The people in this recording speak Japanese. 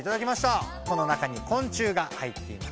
この中にこん虫が入っています。